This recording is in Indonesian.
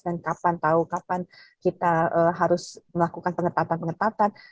dan kapan tahu kapan kita harus melakukan pengetatan pengetatan